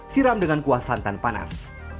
siram dengan kuah santan panas